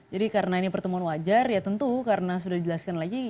jadi karena ini pertemuan wajar ya tentu karena sudah dijelaskan lagi